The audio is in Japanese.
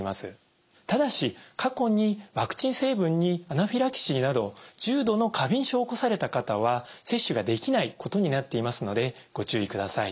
ただし過去にワクチン成分にアナフィラキシーなど重度の過敏症を起こされた方は接種ができないことになっていますのでご注意ください。